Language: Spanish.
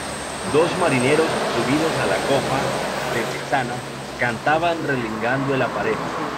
dos marineros subidos a la cofa de mesana, cantaban relingando el aparejo.